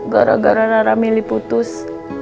gara gara rara milih putus